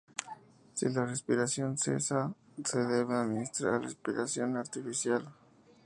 Si la respiración cesa se debe administrar respiración artificial.